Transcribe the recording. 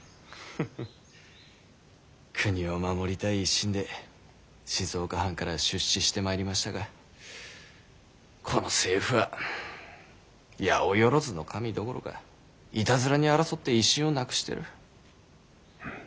国を守りたい一心で静岡藩から出仕してまいりましたがこの政府は八百万の神どころかいたずらに争って威信をなくしてる。